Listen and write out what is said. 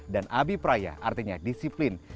dan abipraya artinya disiplin